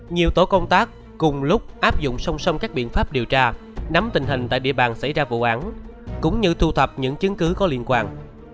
nhiều tổ công tác cùng lúc áp dụng song song các biện pháp điều tra nắm tình hình tại địa bàn xảy ra vụ án cũng như thu thập những chứng cứ có liên quan